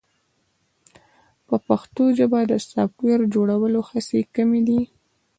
په پښتو ژبه د سافټویر جوړولو هڅې کمې دي.